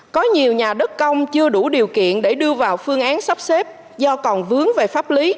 có nhiều nhà đất công chưa đủ điều kiện để đưa vào phương án sắp xếp do còn vướng về pháp lý